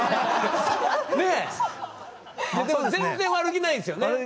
でも全然悪気ないんですよね？